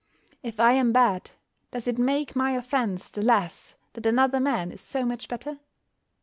If I am bad, does it make my offence the less that another man is so much better?